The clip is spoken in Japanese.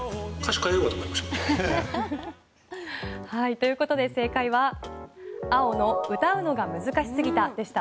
ということで正解は青の歌うのが難しすぎたでした。